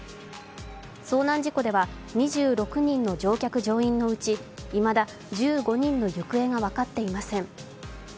遭難事故では２６人の乗客・乗員のうちいまだ１５人の行方が分かっていません。